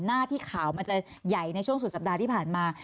หน้าที่ข่าวมันจะใหญ่ในช่วงสุดสัปดาห์ที่ผ่านมา